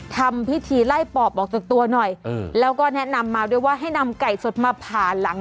ทำพิธีไล่ปอบออกจากตัวหน่อยแล้วก็แนะนำมาด้วยว่าให้นำไก่สดมาผ่าหลัง